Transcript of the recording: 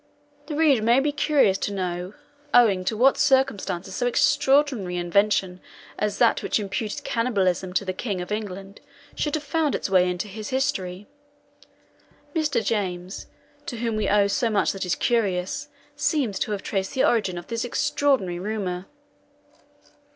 The reader may be curious to know owing to what circumstances so extraordinary an invention as that which imputed cannibalism to the King of England should have found its way into his history. Mr. James, to whom we owe so much that is curious, seems to have traced the origin of this extraordinary rumour.